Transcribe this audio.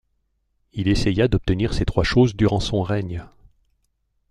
Il essaya d'obtenir ces trois choses durant son règne.